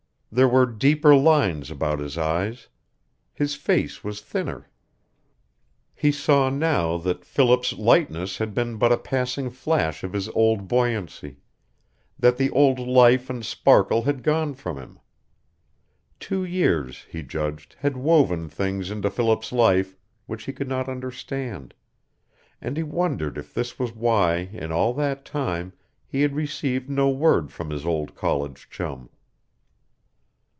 There were deeper lines about his eyes. His face was thinner. He saw, now, that Philip's lightness had been but a passing flash of his old buoyancy, that the old life and sparkle had gone from him. Two years, he judged, had woven things into Philip's life which he could not understand, and he wondered if this was why in all that time he had received no word from his old college chum.